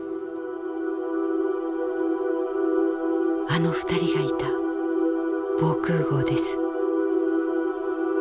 あの２人がいた防空壕です。